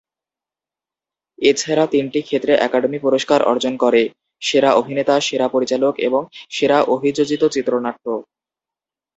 এছাড়া তিনটি ক্ষেত্রে একাডেমি পুরস্কার অর্জন করে: সেরা অভিনেতা, সেরা পরিচালক এবং সেরা অভিযোজিত চিত্রনাট্য।